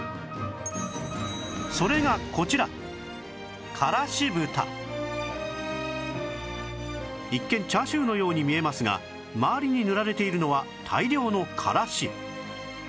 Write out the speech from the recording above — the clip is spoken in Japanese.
それがこちら一見チャーシューのように見えますが周りに塗られているのは大量のからし